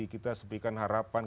kita harus berikan harapan